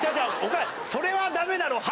「『それはダメだろう』？